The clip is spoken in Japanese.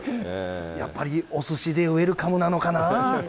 やっぱりおすしでウエルカムなのかなぁ。